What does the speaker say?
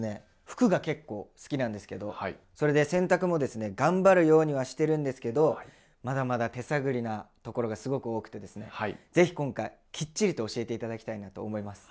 服が結構好きなんですけどそれで洗濯もですね頑張るようにはしてるんですけどまだまだ手探りなところがすごく多くてですね是非今回キッチリと教えて頂きたいなと思います。